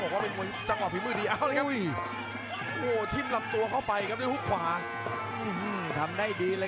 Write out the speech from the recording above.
ครับเสริมความแข็งความแข็งความแกร่งขึ้นมาแล้วก็พยายามจะเล็กหาฐานล่างครับ